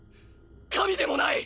神でもない！！